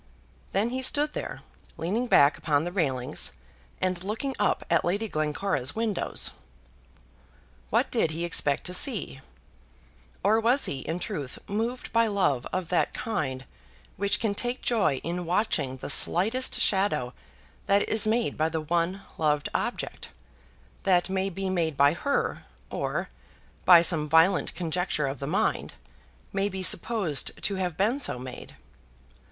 Then he stood there, leaning back upon the railings, and looking up at Lady Glencora's windows. What did he expect to see? Or was he, in truth, moved by love of that kind which can take joy in watching the slightest shadow that is made by the one loved object, that may be made by her, or, by some violent conjecture of the mind, may be supposed to have been so made?